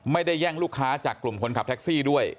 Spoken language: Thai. แย่งลูกค้าจากกลุ่มคนขับแท็กซี่ด้วย